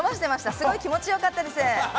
すごい気持ちよかったです。